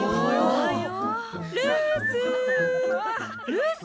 ルース！